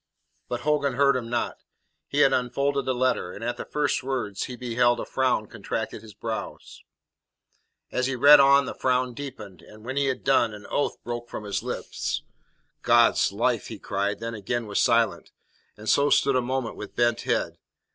But Hogan heard him not. He had unfolded the letter, and at the first words he beheld, a frown contracted his brows. As he read on the frown deepened, and when he had done, an oath broke from his lips. "God's life!" he cried, then again was silent, and so stood a moment with bent head.